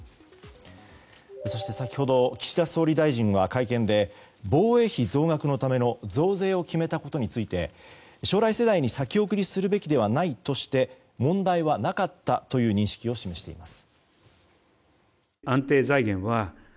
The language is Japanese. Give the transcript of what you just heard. そして先ほど岸田総理大臣は会見で、防衛費増額のための増税を決めたことについて将来世代に先送りするべきではないとして問題はなかったという認識を示しています。